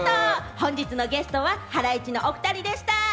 本日のゲストはハライチのお２人でした。